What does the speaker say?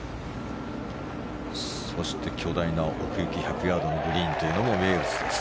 そして、巨大な奥行き１００ヤードのグリーンというのも名物です。